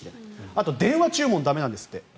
あと、電話注文は駄目なんですって。